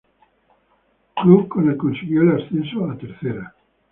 Club con el que consiguió el ascenso a Tercera.